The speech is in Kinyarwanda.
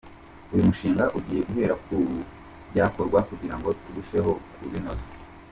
Uyu mushinga ugiye guhera ku byakorwaga kugira ngo turusheho kubinoza.